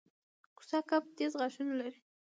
کوسه کب تېز غاښونه لري